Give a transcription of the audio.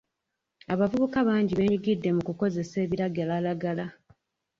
Abavubuka bangi beenyigidde mu kukozesa ebiragalalagala.